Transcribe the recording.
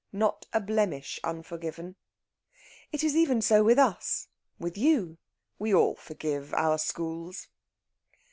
Not a blemish unforgiven. It is even so with us, with you; we all forgive our schools.